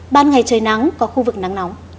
ban ngày trời nắng có khu vực nắng nóng